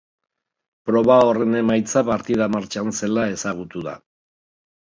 Proba horren emaitza partida martxan zela ezagutu da.